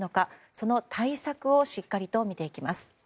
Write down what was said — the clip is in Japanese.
その対策をしっかりと見ていきます。